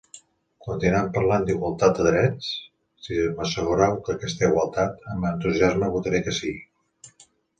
Continuam parlant d'igualtat de drets? Si m'assegurau aquesta igualtat, amb entusiasme votaré que sí.